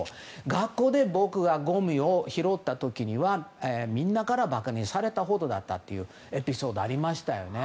学校で僕がごみを拾った時にはみんなから馬鹿にされたほどだったというエピソードがありました。